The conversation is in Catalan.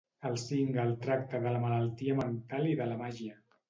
El single tracta de la malaltia mental i de la màgia.